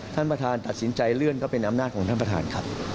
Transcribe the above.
ท่านประธานตัดสินใจเลื่อนก็เป็นอำนาจของท่านประธานครับ